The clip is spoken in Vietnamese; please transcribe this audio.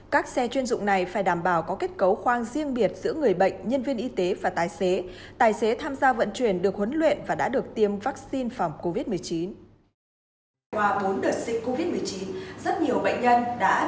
các xe chuyên dụng này phải đảm bảo có kết cấu khoang riêng biệt giữa người bệnh nhân viên y tế và tài xế tài xế tham gia vận chuyển được huấn luyện và đã được tiêm vaccine phòng covid một mươi chín